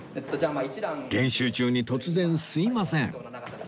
練習中に突然すいません